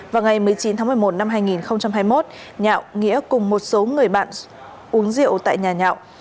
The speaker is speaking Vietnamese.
vào ngày một mươi chín tháng một mươi một năm hai nghìn hai mươi một nhạo nghĩa cùng một số người bạn uống rượu tại nhà nhạo